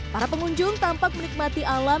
para pengunjung tampak menikmati alam